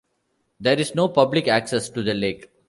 There is no public access to the lake.